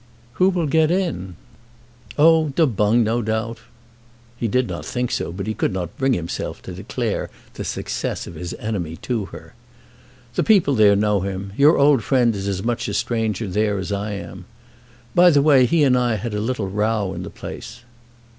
"Who will get in?" "Oh, Du Boung, no doubt." He did not think so, but he could not bring himself to declare the success of his enemy to her. "The people there know him. Your old friend is as much a stranger there as I am. By the way, he and I had a little row in the place."